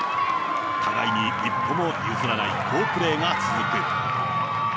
互いに一歩も譲らない好プレーが続く。